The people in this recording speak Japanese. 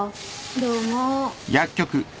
どうも。